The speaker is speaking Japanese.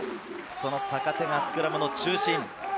坂手がスクラムの中心。